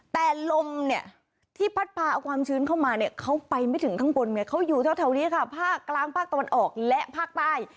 แต่ลมที่พัดพาออกความชื้นเข้ามาเข้าไปไม่ถึงข้างบนเขาอยู่เท่านี้ภาคกลางภาคตะวันออกและภาคใต้